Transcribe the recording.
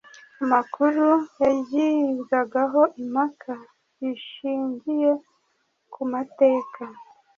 amakuru yagibwagaho impaka gishingiye ku mateka